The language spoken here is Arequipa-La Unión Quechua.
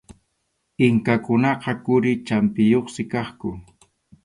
Inkakunaqa quri champiyuqsi kaqku.